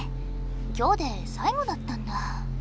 今日で最後だったんだ。